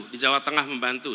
di jawa tengah membantu